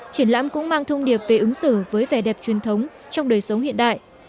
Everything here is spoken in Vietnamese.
triển lãm cũng mang thông điệp về ứng xử với vẻ đẹp truyền thống trong đời sống hiện đại